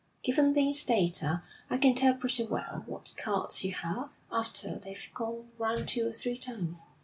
Given these data, I can tell pretty well what cards you have, after they've gone round two or three times.'